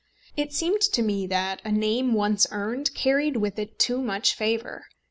It seemed to me that a name once earned carried with it too much favour.